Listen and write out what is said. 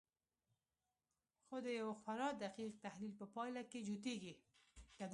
خو د یوه خورا دقیق تحلیل په پایله کې جوتېږي